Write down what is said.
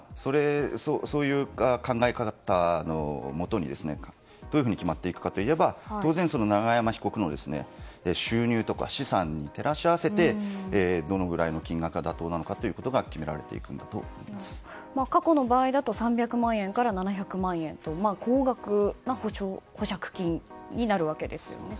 そういう考え方のもとにどういうふうに決まっていくかは当然、永山被告の収入とか資産に照らし合わせてどのぐらいの金額が妥当なのかということが過去の場合だと３００万円から７００万円と高額な保釈金になるわけですよね。